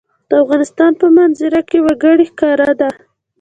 د افغانستان په منظره کې وګړي ښکاره ده.